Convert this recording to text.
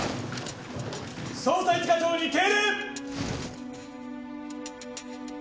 捜査一課長に敬礼！